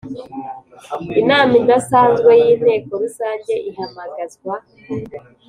Inama idasanzwe y Inteko Rusange ihamagazwa